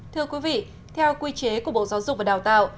thưa quý vị theo quy chế của bộ giáo dục và đào tạo